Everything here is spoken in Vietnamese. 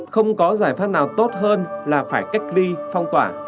không có giải pháp nào tốt hơn là phải cách ly phong tỏa